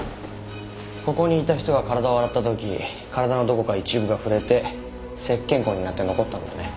ここにいた人が体を洗った時体のどこか一部が触れて石鹸痕になって残ったんだね。